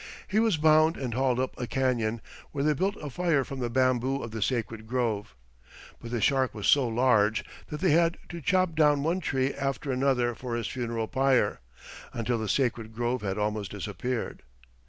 He was bound and hauled up a canyon, where they built a fire from the bamboo of the sacred grove. But the shark was so large that they had to chop down one tree after another for his funeral pyre, until the sacred grove had almost disappeared.